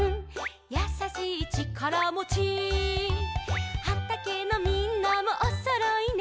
「やさしいちからもち」「はたけのみんなもおそろいね」